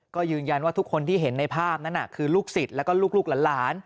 ก็ยืนยันว่าทุกคนที่เห็นในภาพนั้นคือลูกศิษย์แล้วก็ลูกหลาน